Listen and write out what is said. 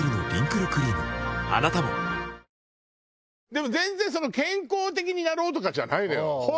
でも全然健康的になろうとかじゃないのよ。